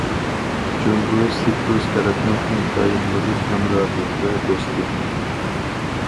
جۇڭگو سىپرۇس تەرەپنىڭ ئىنتايىن مۇھىم ھەمراھى ۋە دوستى.